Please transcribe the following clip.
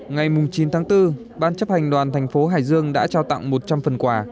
ngày chín tháng bốn ban chấp hành đoàn thành phố hải dương đã trao tặng một trăm linh phần quà